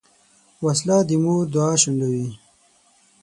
وسله د مور دعا شنډوي